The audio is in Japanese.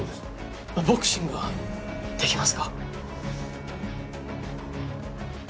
ボクシングはできますか？